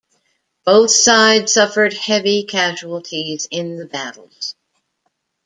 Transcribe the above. Both sides suffered heavy casualties in the battles.